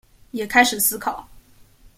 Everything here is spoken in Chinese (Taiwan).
也開始思考